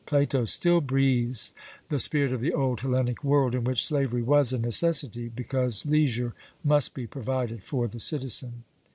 Plato still breathes the spirit of the old Hellenic world, in which slavery was a necessity, because leisure must be provided for the citizen.